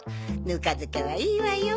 ぬか漬けはいいわよ